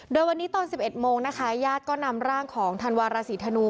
โดยวันนี้ตอน๑๑โมงนะคะญาติก็นำร่างของธันวาราศีธนู